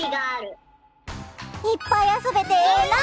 いっぱいあそべてええな！